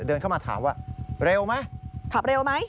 เดินเข้ามาถามว่าเร็วไหม